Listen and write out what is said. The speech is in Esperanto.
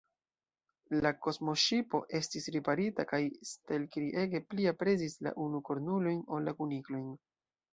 La kosmoŝipo estis riparita, kaj Stelkri ege pli aprezis la unukornulojn ol la kuniklojn.